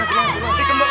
panjat panjat panjat